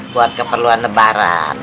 buat keperluan lebaran